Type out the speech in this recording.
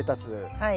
はい。